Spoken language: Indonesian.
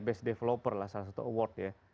best developer lah salah satu award ya